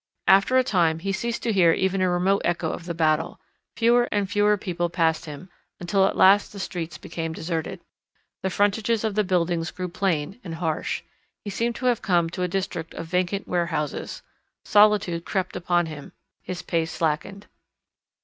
After a time he ceased to hear even a remote echo of the battle, fewer and fewer people passed him, until at last the streets became deserted. The frontages of the buildings grew plain, and harsh; he seemed to have come to a district of vacant warehouses. Solitude crept upon him his pace slackened.